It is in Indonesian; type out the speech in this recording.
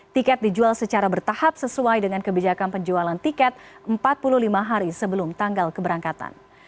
tiket dijual secara bertahap sesuai dengan kebijakan penjualan tiket empat puluh lima hari sebelum tanggal keberangkatan